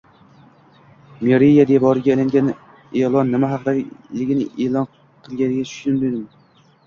Meriya devoriga ilingan e`lon nima haqida ekanligiga endi tushundim